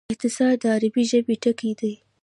اختصار د عربي ژبي ټکی دﺉ.